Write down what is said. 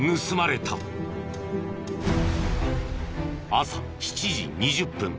朝７時２０分。